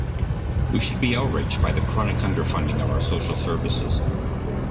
We should be outraged by the chronic underfunding of our social services.